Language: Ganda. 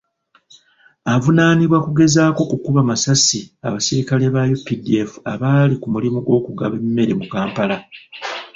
Avuunaanibwa kugezaako kukuba masasi abasirikale ba UPDF abaali ku mulimu gw'okugaba emmere mu Kampala.